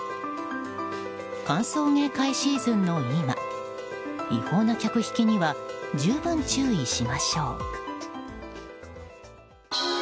歓送迎会シーズンの今違法な客引きには十分、注意しましょう。